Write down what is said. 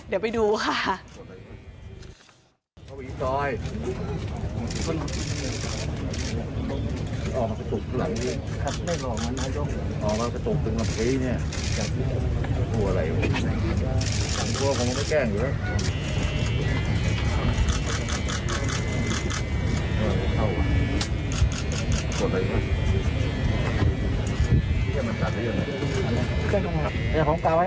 เดี๋ยวไปดูค่ะ